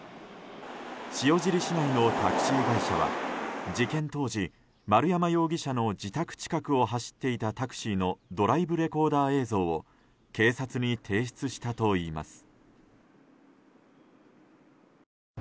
塩尻市内のタクシー会社は事件当時丸山容疑者の自宅近くを走っていたタクシーのドライブレコーダー映像を警察に提出したといいます。